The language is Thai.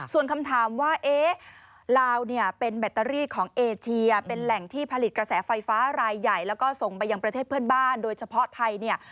ส่วนคำถามว่าเอ๊ะลาวเนี่ยเป็นแบตเตอรี่ของเอเชียเป็นแหล่งที่ผลิตกระแสไฟฟ้ารายใหญ่แล้วก็ส่งไปยังประเทศเพื่อนบ้านโดยเฉพาะไทยเนี่ย